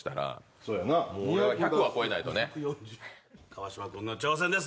川島くんの挑戦です。